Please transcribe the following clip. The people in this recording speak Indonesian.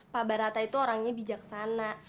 pak barata itu orangnya bijaksana